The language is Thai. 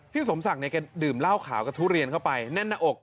สมศักดิ์เนี่ยแกดื่มเหล้าขาวกับทุเรียนเข้าไปแน่นหน้าอก